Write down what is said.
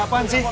ada apaan sih